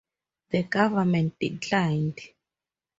The government declined.